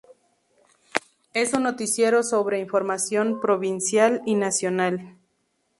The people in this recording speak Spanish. Es un noticiero sobre información provincial y nacional.